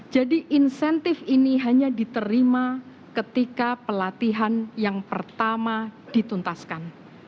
jadi insentif ini hanya diterima ketika pelatihan yang pertama dituntaskan